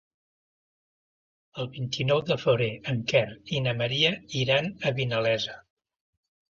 El vint-i-nou de febrer en Quer i na Maria iran a Vinalesa.